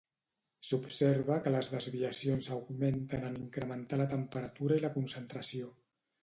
S'observa que les desviacions augmenten en incrementar la temperatura i la concentració.